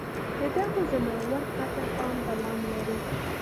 ددغو ځناورو قتل عام دوام لري